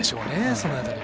その辺りは。